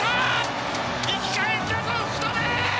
生き返ったぞ、福留！